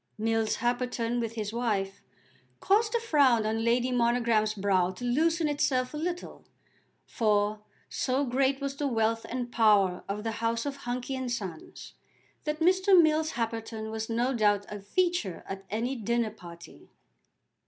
Mills Happerton, with his wife, caused the frown on Lady Monogram's brow to loosen itself a little, for, so great was the wealth and power of the house of Hunky and Sons, that Mr. Mills Happerton was no doubt a feature at any dinner party.